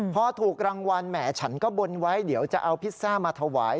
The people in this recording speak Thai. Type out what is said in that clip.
พอถูกรางวัลแหมฉันก็บนไว้เดี๋ยวจะเอาพิซซ่ามาถวาย